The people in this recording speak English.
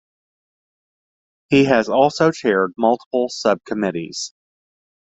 He has also chaired multiple subcommittees.